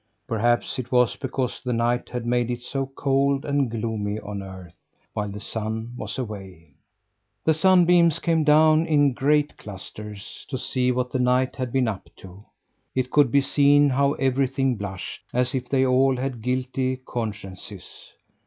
Perhaps it was because the night had made it so cold and gloomy on earth, while the sun was away. The sunbeams came down in great clusters, to see what the night had been up to. It could be seen how everything blushed as if they all had guilty consciences.